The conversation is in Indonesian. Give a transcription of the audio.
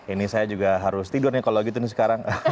ini saya juga harus tidurnya kalau gitu nih sekarang